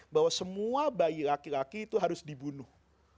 bahwa semua bayi laki laki itu harus dibunuh